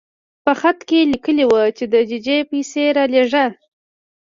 په خط کې لیکلي وو چې د ججې پیسې رالېږه.